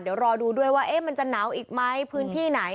เดี๋ยวรอดูด้วยว่ามันจะหนาวอีกไหมพื้นที่ไหน